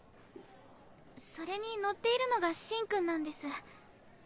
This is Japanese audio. それに乗っているのがシンくんなんです。